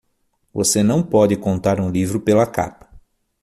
Você não pode contar um livro pela capa.